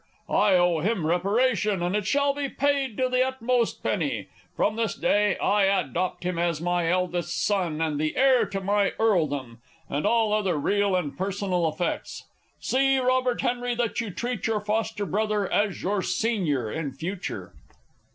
I owe him reparation, and it shall be paid to the uttermost penny. From this day, I adopt him as my eldest son, and the heir to my earldom, and all other real and personal effects. See, Robert Henry, that you treat your foster brother as your senior in future!